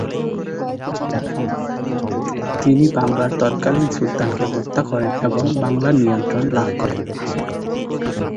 তিনি বাংলার তৎকালীন সুলতানকে হত্যা করেন ও বাংলার নিয়ন্ত্রণ লাভ করেন।